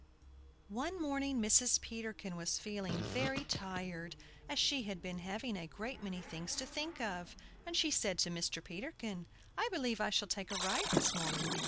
ONE morning Mrs. Peterkin was feeling very tired, as she had been having a great many things to think of, and she said to Mr. Peterkin, "I believe I shall take a ride this morning!"